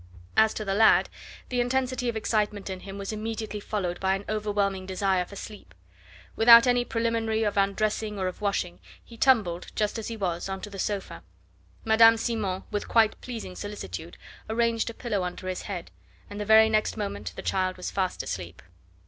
As to the lad, the intensity of excitement in him was immediately followed by an overwhelming desire for sleep. Without any preliminary of undressing or of washing, he tumbled, just as he was, on to the sofa. Madame Simon, with quite pleasing solicitude, arranged a pillow under his head, and the very next moment the child was fast asleep.